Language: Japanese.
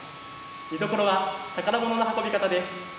見どころは宝物の運び方です。